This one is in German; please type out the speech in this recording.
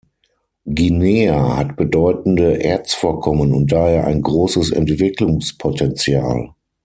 Guinea hat bedeutende Erzvorkommen und daher ein großes Entwicklungspotenzial.